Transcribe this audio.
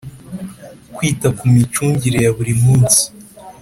Kwita ku micungire ya buri munsi